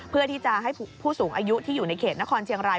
เพื่อที่จะให้ผู้สูงอายุที่อยู่ในเขตนครเชียงราย